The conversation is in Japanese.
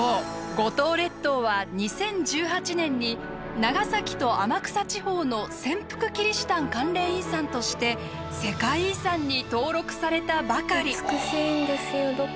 五島列島は２０１８年に「長崎と天草地方の潜伏キリシタン関連遺産」として世界遺産に登録されたばかり。